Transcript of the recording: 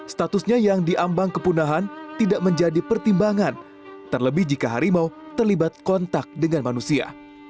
statusnya yang diambang kepunahan tidak menjadi pertimbangan terlebih jika harimau terlibat kontak dengan manusia